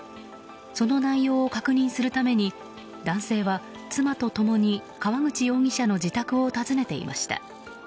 その内容を確認するために男性は妻と共に川口容疑者の自宅を訪ねていました。